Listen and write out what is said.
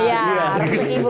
iya restu ibu